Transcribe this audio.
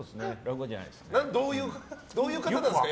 どういう方なんですか？